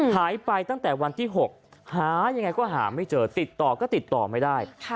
หายไปตั้งแต่วันที่๖หายังไงก็หาไม่เจอติดต่อก็ติดต่อไม่ได้